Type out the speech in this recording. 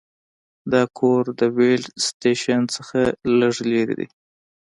دا کور د ویلډ سټیشن څخه لږ لرې دی